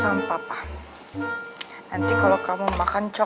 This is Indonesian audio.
gagal pacaran mereka selama seribunya